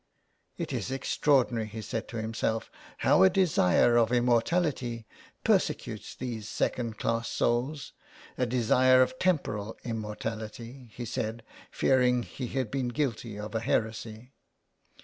^' It is extraordinary," he said to him self, " how a desire of immortality persecutes these second class souls. A desire of temporal immortality," he said, fearing he had been guilty of a heresy.